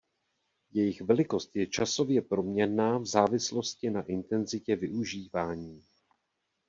Jejich velikost je časově proměnná v závislosti na intenzitě využívání.